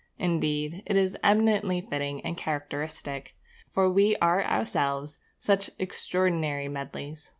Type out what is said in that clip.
Indeed, it is eminently fitting and characteristic. For we are ourselves such extraordinary medlies.